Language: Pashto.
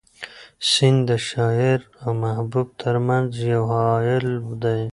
سیند د شاعر او محبوب تر منځ یو حایل دی.